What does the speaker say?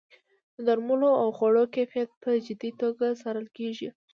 د درملو او خوړو کیفیت په جدي توګه څارل کیږي.